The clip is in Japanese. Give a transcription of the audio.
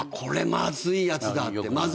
まずい１日だって。